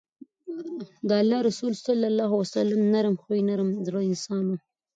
د الله رسول صلی الله عليه وسلّم نرم خويه، نرم زړی انسان وو